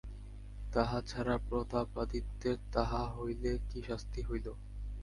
তাহা ছাড়া, প্রতাপাদিত্যের তাহা হইলে কী শাস্তি হইল?